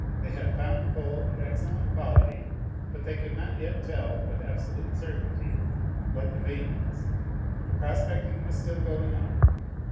They had found coal of excellent quality, but they could not yet tell with absolute certainty what the vein was. The prospecting was still going on.